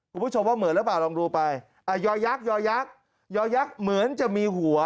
คุณผู้ชมว่าเหมือนหรือเปล่าลองดูไปอ่ายอยักษ์ยอยักษ์ยอยักษ์เหมือนจะมีหัว